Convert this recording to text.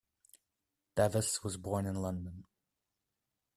Davis was born in London.